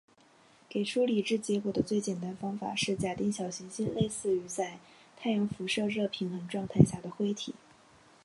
给出理智结果的最简单方法是假定小行星类似于在太阳辐射热平衡状态下的灰体。